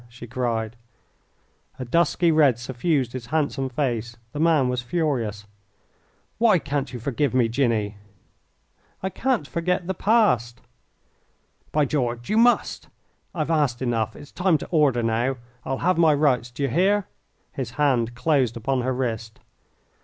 she cried. A dusky red suffused his handsome face. The man was furious. "Why can't you forgive me, Jinny?" "I can't forget the past." "By George, you must! I've asked enough. It's time to order now. I'll have my rights, d'ye hear?" His hand closed upon her wrist.